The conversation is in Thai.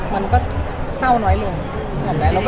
มันก็เศร้าน้อยลง